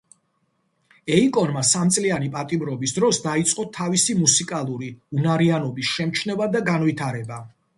ეიკონმა სამწლიანი პატიმრობის დროს, დაიწყო თავისი მუსიკალური უნარიანობის შემჩნევა და განვითარება.